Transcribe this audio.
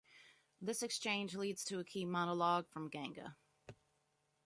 This exchange leads to a key monologue from Ganga.